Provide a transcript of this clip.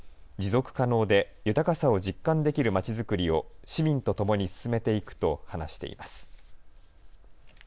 持続可能で豊かさを実感できるまちづくりを市民とともに進めていくと話しています。